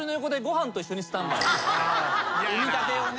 産みたてをね。